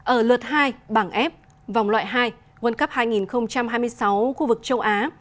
ở lượt hai bảng f vòng loại hai quân cấp hai nghìn hai mươi sáu khu vực châu á